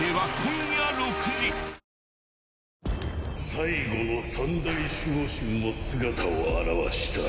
最後の三大守護神も姿を現した。